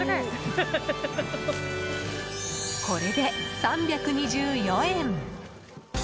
これで３２４円。